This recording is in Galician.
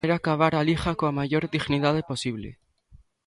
Quere acabar a Liga coa maior dignidade posible.